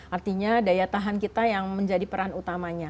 artinya daya tahan kita yang menjadi peran utamanya